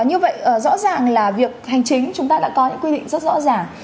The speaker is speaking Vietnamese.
như vậy rõ ràng là việc hành chính chúng ta đã có những quy định rất rõ ràng